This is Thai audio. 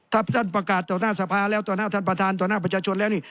ถ้าท่านประกาศต่อหน้าสภาแล้วต่อหน้าท่านประธานต่อหน้าประชาชนแล้วนี่